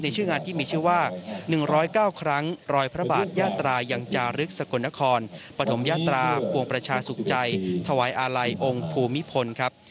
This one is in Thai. ชื่องานที่มีชื่อว่า๑๐๙ครั้งรอยพระบาทยาตรายังจารึกสกลนครปฐมยาตราปวงประชาสุขใจถวายอาลัยองค์ภูมิพลครับ